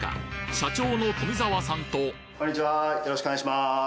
社長の富澤さんとよろしくお願いします。